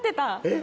え？